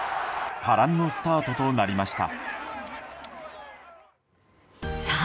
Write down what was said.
波乱のスタートとなりました。